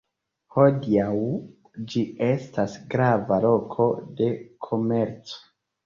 Hodiaŭ ĝi estas grava loko de komerco.